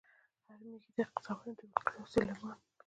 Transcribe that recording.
"هر مېږي ته قصه وایم د بلقیس او سلیمان".